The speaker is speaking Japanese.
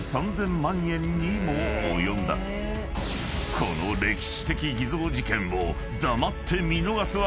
［この歴史的偽造事件を］